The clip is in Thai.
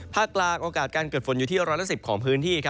ภาคกลางโอกาสเกิดฝนอยู่ที่๑๑๐องศาเซียตของพื้นที่